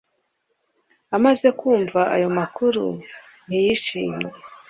Amaze kumva ayo makuru ntiyishimye